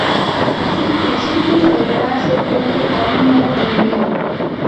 Así, el círculo deberá hacer frente a un nuevo enemigo.